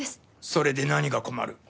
それで何が困る？